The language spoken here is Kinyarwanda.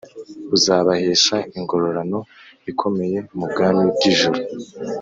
buzabahesha ingororano ikomeye mubwami bwijuru